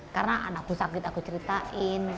karena anak lo sakit aku ceritain